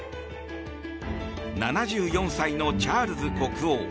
７４歳のチャールズ国王。